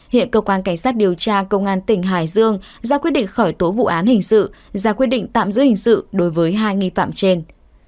hiện cơ quan cảnh sát điều tra công an tỉnh hải dương ra quyết định khởi tố vụ án hình sự ra quyết định tạm giữ hình sự đối với hai nghi phạm trên